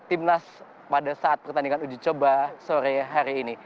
timnas pada saat pertandingan uji coba sore hari ini